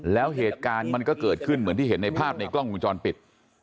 แล้วเหตุการณ์มันก็เกิดขึ้นเหมือนที่เห็นในภาพในกล้องวงจรปิด